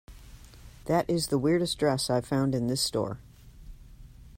That is the weirdest dress I have found in this store.